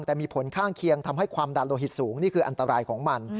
แต่มีผลข้างเคียงทำให้ความดันโลหิตสูงนี่คืออันตรายของมัน